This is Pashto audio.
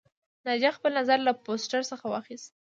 ناجیه خپل نظر له پوسټر څخه واخیست